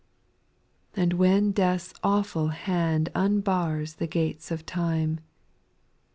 4. And when death's awful hand Unbars the gates of time.